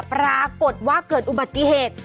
ปรากฏว่าเกิดอุบัติเหตุ